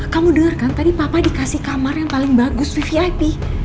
kamu dengarkan tadi papa dikasih kamar yang paling bagus vvip